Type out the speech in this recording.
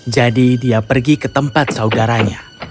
jadi dia pergi ke tempat saudaranya